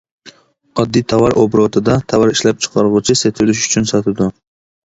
ئاددىي تاۋار ئوبوروتىدا، تاۋار ئىشلەپچىقارغۇچى سېتىۋېلىش ئۈچۈن ساتىدۇ.